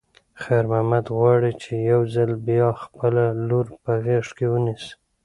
خیر محمد غواړي چې یو ځل بیا خپله لور په غېږ کې ونیسي.